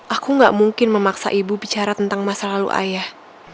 aku gak mungkin memaksa ibu bicara tentang masa lalu ayah